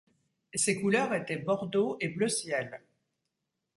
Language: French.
Ses couleurs étaient Bordeaux et Bleu ciel.